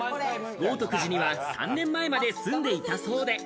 豪徳寺には３年前まで住んでいたそうで。